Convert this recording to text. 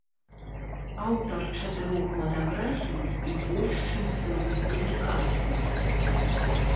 Аўтар чатырох манаграфій і больш чым сотні публікацый.